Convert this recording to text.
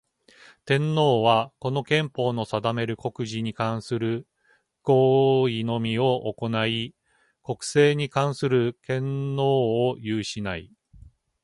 天皇は、この憲法の定める国事に関する行為のみを行ひ、国政に関する権能を有しない。